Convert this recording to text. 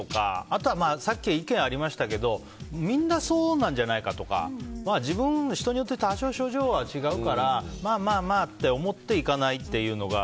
あとはさっき意見がありましたけどみんな、そうなんじゃないかとか人によって多少症状は違うからまあまあと思って行かないというのが。